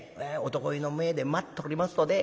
男湯の前で待っておりますとね